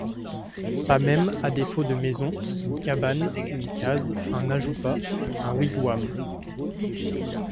Pas même, à défaut de maisons, une cabane, une case, un ajoupa, un wigwam?